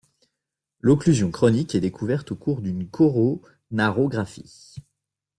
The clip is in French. L'occlusion chronique est découverte au cours d'une coronarographie.